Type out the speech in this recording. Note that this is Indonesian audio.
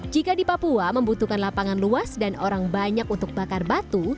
jika di papua membutuhkan lapangan luas dan orang banyak untuk bakar batu